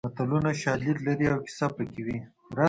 متلونه شالید لري او کیسه پکې وي